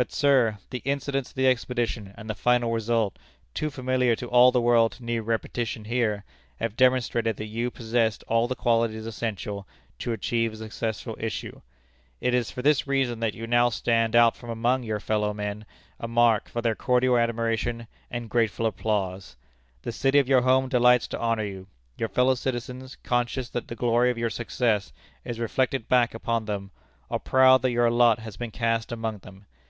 But, sir, the incidents of the expedition, and the final result too familiar to all the world to need repetition here have demonstrated that you possessed all the qualities essential to achieve a successful issue. It is for this reason that you now stand out from among your fellow men a mark for their cordial admiration and grateful applause. The city of your home delights to honor you; your fellow citizens, conscious that the glory of your success is reflected back upon them, are proud that your lot has been cast among them.